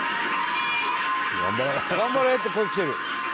「“頑張れー！”って声きてる！」